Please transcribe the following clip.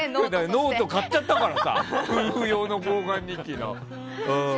ノートを買っちゃったから夫婦用の交換日記を。